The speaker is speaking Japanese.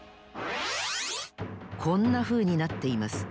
こんなふうになっています。